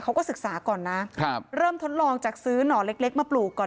เขาก็ศึกษาก่อนนะครับเริ่มทดลองจากซื้อหน่อเล็กมาปลูกก่อน